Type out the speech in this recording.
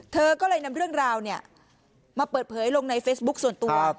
เธอก็เลยนำเรื่องราวมาเปิดเผยลงในเฟซบุ๊คส่วนตัว